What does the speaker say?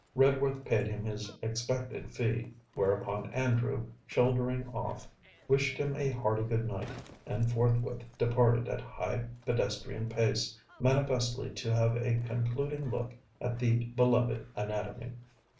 Redworth paid him his expected fee, whereupon Andrew, shouldering off, wished him a hearty good night, and forthwith departed at high pedestrian pace, manifestly to have a concluding look at the beloved anatomy.